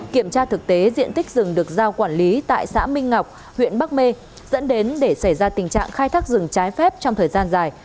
kiểm tra thực tế diện tích rừng được giao quản lý tại xã minh ngọc huyện bắc mê dẫn đến để xảy ra tình trạng khai thác rừng trái phép trong thời gian dài